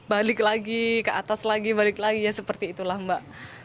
balik lagi ke atas lagi balik lagi ya seperti itulah mbak